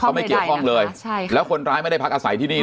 เขาไม่เกี่ยวข้องเลยใช่แล้วคนร้ายไม่ได้พักอาศัยที่นี่